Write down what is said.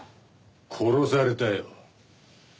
殺されたよ。